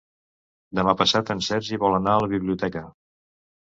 Demà passat en Sergi vol anar a la biblioteca.